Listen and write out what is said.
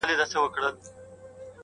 سواهد ټول راټولوي